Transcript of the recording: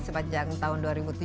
sepanjang tahun dua ribu tujuh belas